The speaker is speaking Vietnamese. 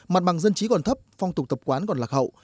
mặt bằng dân trí còn thấp phong tục tập quán còn lạc hậu